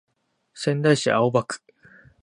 仙台市青葉区